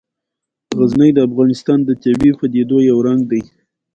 غزني د افغانستان د طبیعي پدیدو یو رنګ دی.